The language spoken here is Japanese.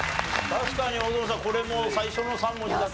確かに大園さんこれも最初の３文字だと。